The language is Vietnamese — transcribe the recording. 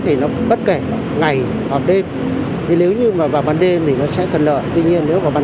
thì nó bất kể ngày hoặc đêm thế nếu như mà vào ban đêm thì nó sẽ thật lợi tuy nhiên nếu có ban